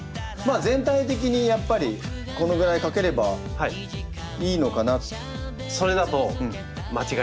全体的にやっぱりこのぐらいかければいいのかな。